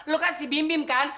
lo kan si bim bim kan